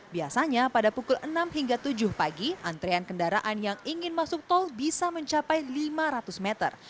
biasanya pada pukul enam hingga tujuh pagi antrean kendaraan yang ingin masuk tol bisa mencapai lima ratus meter